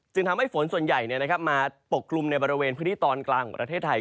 ทำให้ฝนส่วนใหญ่มาปกกลุ่มในบริเวณพื้นที่ตอนกลางของประเทศไทย